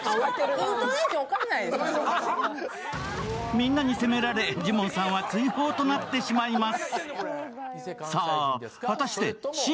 みんなに攻められ、ジモンさんは追放となってしまいます。